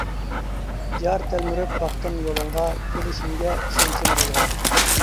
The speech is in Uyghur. يار تەلمۈرۈپ باقتىم يولۇڭغا، كېلىشىڭگە ئىشەنچىم بولغاچ.